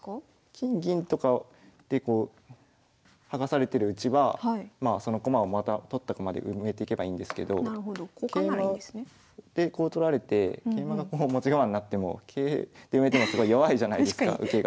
金銀とかで剥がされてるうちはまあその駒をまた取った駒で埋めてけばいいんですけど桂馬で取られて桂馬がこう持ち駒になっても桂で埋めてもすごい弱いじゃないですか受けが。